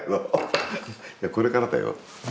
いやこれからだよ。